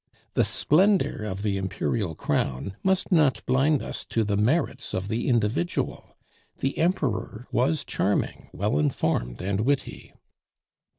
The splendor of the Imperial crown must not blind us to the merits of the individual; the Emperor was charming, well informed, and witty.